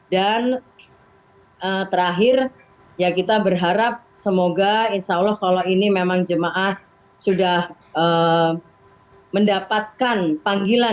dan terakhir ya kita berharap semoga insya allah kalau ini memang jemaah sudah mendapatkan panggilan